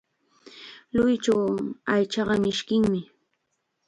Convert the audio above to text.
Lluychu aychata mishkinmi.